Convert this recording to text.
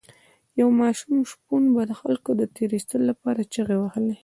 یو ماشوم شپون به د خلکو د تیر ایستلو لپاره چیغې وهلې.